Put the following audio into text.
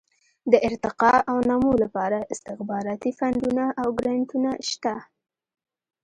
د ارتقاء او نمو لپاره استخباراتي فنډونه او ګرانټونه شته.